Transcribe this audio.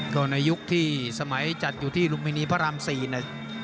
ก็ในยุคที่สมัยจัดอยู่ที่ลุมพินีพระราม๔เนี่ย